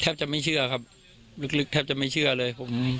จะไม่เชื่อครับลึกแทบจะไม่เชื่อเลยผม